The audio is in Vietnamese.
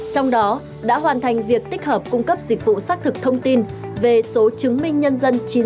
trong đó đã hoàn thành việc tích hợp cung cấp dịch vụ xác thực thông tin về số chứng minh nhân dân